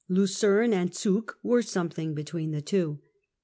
Lucerne and Zug were something between the two.